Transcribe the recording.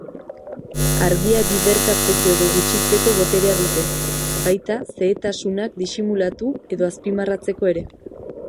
Argia biderkatzeko edo gutxitzeko boterea dute, baita zehetasunak disimulatu edo azpimarratzeko ere.